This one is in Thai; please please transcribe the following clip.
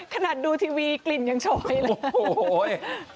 ขนาดดูทีวีกลิ่นยังโฉยเลย